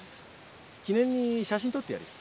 記念に写真撮ってやるよ。